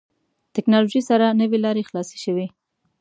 ټکنالوژي سره نوې لارې خلاصې شوې.